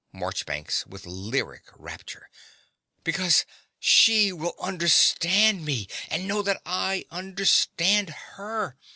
MARCHBANKS (with lyric rapture.) Because she will understand me, and know that I understand her.